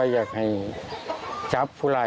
นั่นแหละ